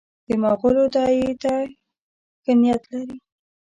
د مغولو داعیې ته ښه نیت لري.